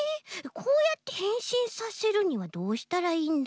こうやってへんしんさせるにはどうしたらいいんだ？